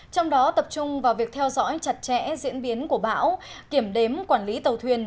trong đó tập trung vào việc theo dõi chặt chẽ diễn biến của bão kiểm đếm quản lý tàu thuyền